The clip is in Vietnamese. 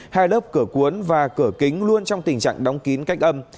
hai lớp cửa cuốn và cửa kính luôn trong tình trạng đóng kín cách âm